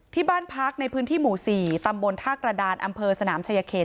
ที่บ้านพักในพื้นที่หมู่๔ตำบลท่ากระดานอำเภอสนามชายเขต